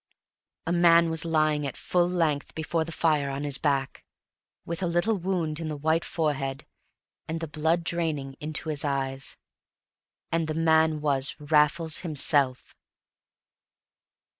A man was lying at full length before the fire on his back, with a little wound in the white forehead, and the blood draining into his eyes. And the man was Raffles himself!